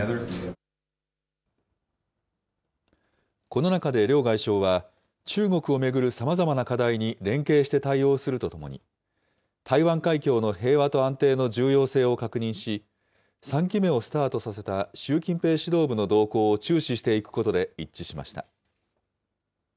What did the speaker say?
この中で両外相は、中国を巡るさまざまな課題に連携して対応するとともに、台湾海峡の平和と安定の重要性を確認し、３期目をスタートさせた習近平指導部の動向を注視していくことで一致しました。